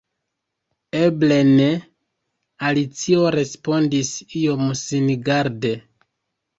"Eble ne," Alicio respondis iom singarde